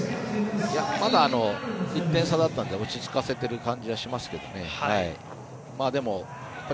まだ１点差だったので落ち着かせている感じはありますけどね。